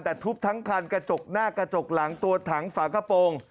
แต่ทุบทั้งคันกระจกหน้ากระจกหลังตัวถังฝากระโปรง